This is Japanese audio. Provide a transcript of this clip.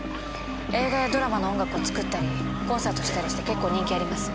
映画やドラマの音楽を作ったりコンサートしたりして結構人気あります。